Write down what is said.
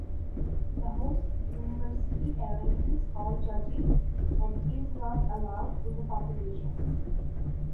The host university arranges all judging and is not allowed in the competition.